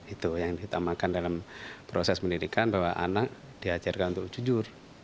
itu yang ditamakan dalam proses pendidikan bahwa anak diajarkan untuk jujur